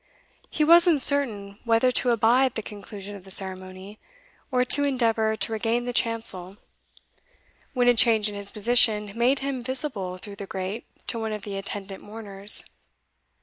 He was uncertain whether to abide the conclusion of the ceremony, or to endeavour to regain the chancel, when a change in his position made him visible through the grate to one of the attendant mourners.